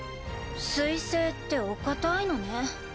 水星ってお固いのね。